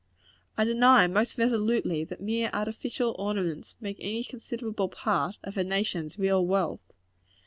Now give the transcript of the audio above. I deny, most resolutely, that mere artificial ornaments make any considerable part of a nation's real wealth.